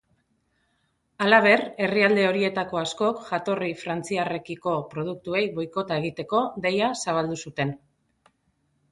Halaber, herrialde horietako askok jatorri frantziarrekiko produktuei boikota egiteko deia zabaldu zuten.